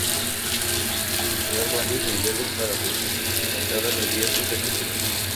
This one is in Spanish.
Hay que superar varios niveles para rescatar a la diosa secuestrada.